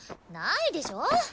ないでしょ！